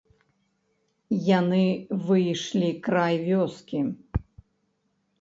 Яны выйшлі край вёскі.